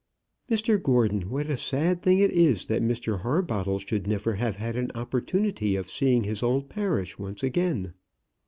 Mr Gordon, what a sad thing it is that Mr Harbottle should never have had an opportunity of seeing his old parish once again."